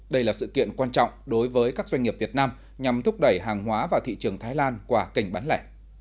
đây là sự kiện quan trọng đối với các doanh nghiệp việt nam nhằm thúc đẩy hàng hóa vào thị trường thái lan qua kênh bán lẻ